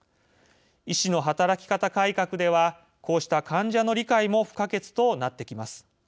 医師の働き方改革ではこうした患者の理解も不可欠となってきます。